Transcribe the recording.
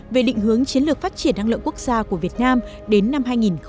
về định hướng chiến lược phát triển năng lượng quốc gia của việt nam đến năm hai nghìn ba mươi